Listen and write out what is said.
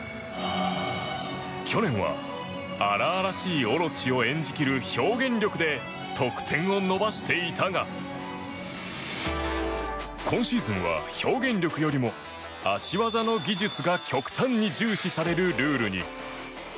去年は荒々しいオロチを演じ切る表現力で得点を伸ばしていたが今シーズンは表現力よりも脚技の技術が極端に重視されるルールに。